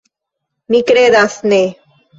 Mi kredas ne.